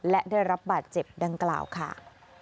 และได้รับบาดเจ็บดังกล่าวค่ะ